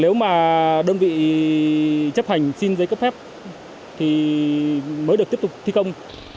và đơn vị chấp hành xin giấy cấp phép thì mới được tiếp tục thi công